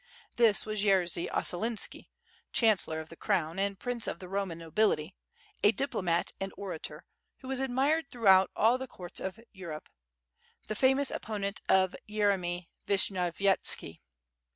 This was Yerzy Ossolinski chancellor of the Crown and prince of the Boman nobility, a diplomat and orator, who was admired throughout all the courts of Europe; the famous opponent of Yeremy Vishnyovyetski.